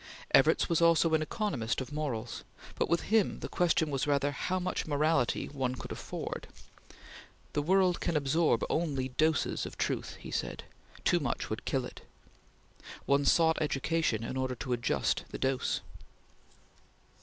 Evarts was also an economist of morals, but with him the question was rather how much morality one could afford. "The world can absorb only doses of truth," he said; "too much would kill it." One sought education in order to adjust the dose.